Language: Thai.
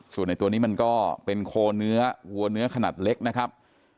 ส่วนในตัวนี้มันก็เป็นโคเนื้อวัวเนื้อขนาดเล็กนะครับ